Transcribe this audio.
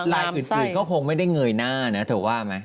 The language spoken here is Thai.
ลายอื่นก็คงไม่ได้เงยหน้านะเธอว่าไหม